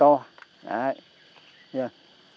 vườn tháp rất là rộng